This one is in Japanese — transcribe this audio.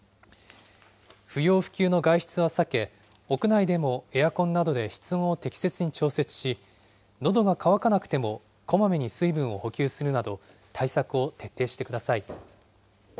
不要不急の外出は避け、屋内でもエアコンなどで室温を適切に調節し、のどが渇かなくてもこまめに水分を補給するなど、対策を徹底してください。